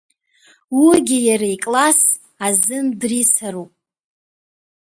Уигьы иара икласс азын дрицаруп.